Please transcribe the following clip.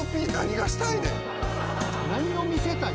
何を見せたい。